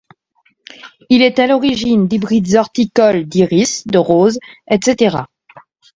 Il est à l'origine d'hybrides horticoles d'iris, de roses, etc.